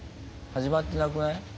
始まってなくない？